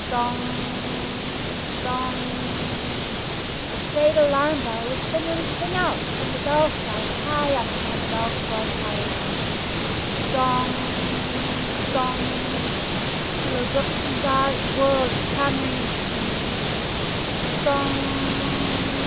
Dong! Dong! The great alarm bell would suddenly ring out from the belfry high up upon the Melchior Tower. Dong! Dong! Till the rooks and daws whirled clamoring and screaming. Dong!